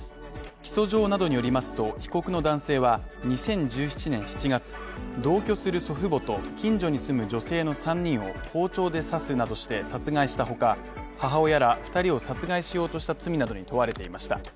起訴状などによりますと、被告の男性は２０１７年７月、同居する祖父母と近所に住む女性の３人を包丁で刺すなどして殺害したほか母親ら２人を殺害しようとした罪などに問われていました。